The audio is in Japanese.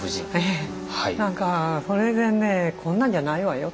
なんかそれでねこんなんじゃないわよ。